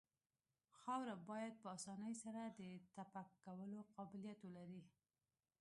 خاوره باید په اسانۍ سره د تپک کولو قابلیت ولري